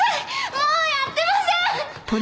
もうやってません！